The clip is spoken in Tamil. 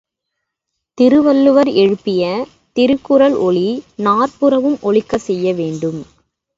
திருவள்ளுவர் எழுப்பிய திருக்குறள் ஒலி நாற்புறமும் ஒலிக்கச் செய்ய வேண்டும்.